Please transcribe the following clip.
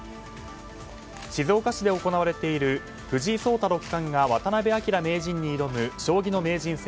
静岡市で行われている藤井聡太六冠が渡辺明名人に挑む将棋の名人戦